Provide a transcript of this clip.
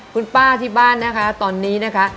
คุณป้าที่บ้านนะคะตอนนี้นะคะ